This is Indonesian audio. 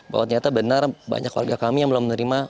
bahwa ternyata benar banyak warga kami yang belum menerima